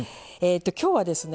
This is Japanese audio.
今日はですね